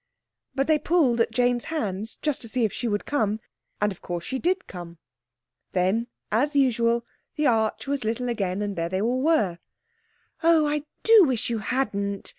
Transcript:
But they pulled at Jane's hands just to see if she would come, and, of course, she did come. Then, as usual, the arch was little again and there they all were. "Oh, I do wish you hadn't!"